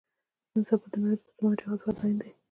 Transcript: نن سبا د نړۍ په مسلمانانو جهاد فرض عین دی.